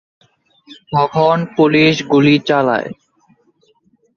তখন পুলিস গুলি চালায়।